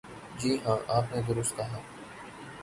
جی ہاں، آپ نے درست کہا۔